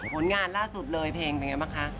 ผลงานล่าสุดเลยเพลงเป็นไงบ้างคะ